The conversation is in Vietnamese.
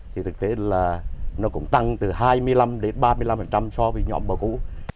thì thực tế là nó cũng tăng từ hai mươi năm ba mươi năm so với nhóm bò cũ